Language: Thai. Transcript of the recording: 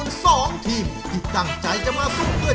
ภาคเติดทางทุกครั้งที่เราสุกเตอร์